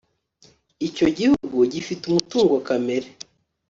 Icyo gihugu gifite umutungo kamere